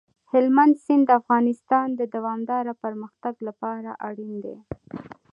هلمند سیند د افغانستان د دوامداره پرمختګ لپاره اړین دي.